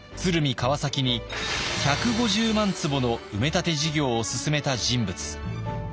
川崎に１５０万坪の埋め立て事業を進めた人物